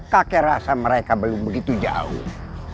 kakek rasa mereka belum begitu jauh